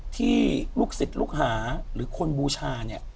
ที่ลูกศิษย์ลูกหาหรือคนบูชาเนี่ย